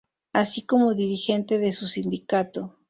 Así como dirigente de su sindicato.